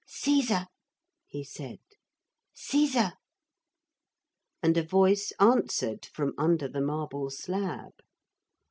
'Caesar,' he said, 'Caesar!' And a voice answered from under the marble slab.